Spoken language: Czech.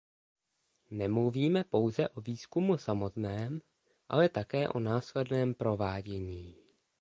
Nemluvíme pouze o výzkumu samotném, ale také o následném provádění.